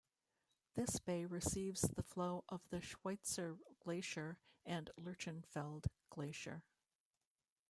This bay receives the flow of the Schweitzer Glacier and Lerchenfeld Glacier.